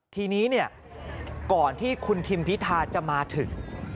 ทีนี้ก่อนที่คุณทิมพิทาจะมาถึง